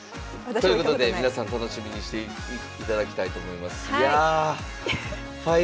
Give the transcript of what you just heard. ということで皆さん楽しみにしていただきたいと思います。